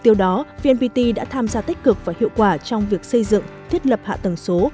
tiêu đó vnpt đã tham gia tích cực và hiệu quả trong việc xây dựng thiết lập hạ tầng số